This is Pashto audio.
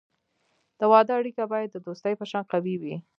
د واده اړیکه باید د دوستی په شان قوي وي.